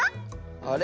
あれ？